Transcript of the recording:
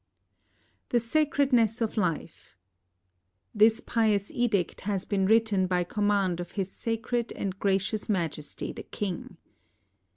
THE SACEEDXESS OF LIFE This pious edict has been written by command of His Sacred and Gracious Majesty the King.